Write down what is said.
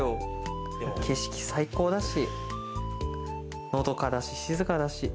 景色最高だし、のどかだし、静かだし。